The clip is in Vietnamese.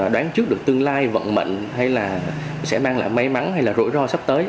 đoán trước được tương lai vận mệnh hay là sẽ mang lại may mắn hay là rủi ro sắp tới